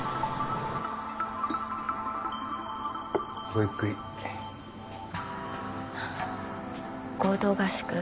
ごゆっくり合同合宿？